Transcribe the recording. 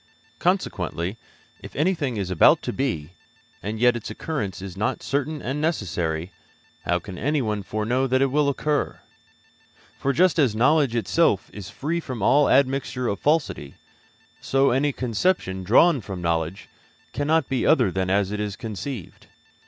Consequently, if anything is about to be, and yet its occurrence is not certain and necessary, how can anyone foreknow that it will occur? For just as knowledge itself is free from all admixture of falsity, so any conception drawn from knowledge cannot be other than as it is conceived.